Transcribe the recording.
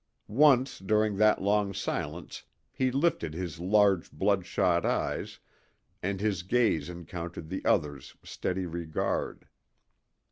Once during that long silence he lifted his large bloodshot eyes, and his gaze encountered the other's steady regard.